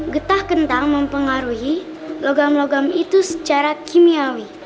getah kentang mempengaruhi logam logam itu secara kimiawi